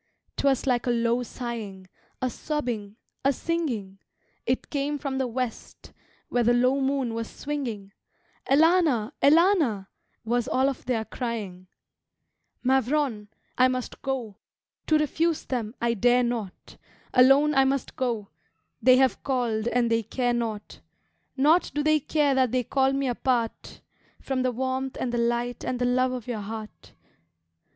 "'Twas like a low sighing, A sobbing, a singing; It came from the west, Where the low moon was swinging: 'Elana, Elana' Was all of their crying. Mavrone! I must go To refuse them, I dare not. Alone I must go; They have called and they care not Naught do they care that they call me apart From the warmth and the light and the love of your heart.